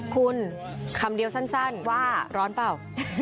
คุณคำเดียวสั้นว่าร้อนเปล่า